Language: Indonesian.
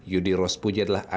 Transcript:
yudi rospuji adalah anaknya